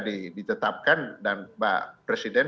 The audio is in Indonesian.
ditetapkan dan mbak presiden